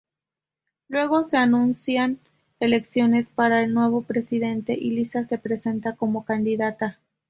Luego, se anuncian elecciones para el nuevo presidente y Lisa se presenta como candidata.